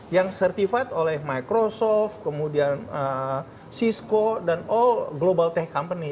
yang certified oleh microsoft kemudian cisco dan all global tech company